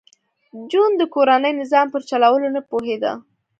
جون د کورني نظام په چلولو نه پوهېده